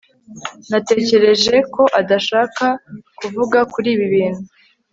natekereje ko udashaka kuvuga kuri ibi bintu